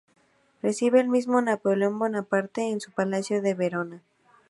Recibe al mismo Napoleón Bonaparte en su palacio de Verona.